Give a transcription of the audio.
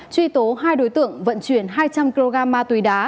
truy tố hai đối tượng vận chuyển hai trăm linh kg ma túy đá